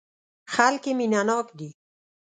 خلک یې مینه ناک دي.